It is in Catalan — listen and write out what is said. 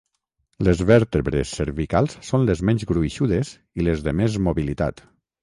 Les vèrtebres cervicals són les menys gruixudes i les de més mobilitat.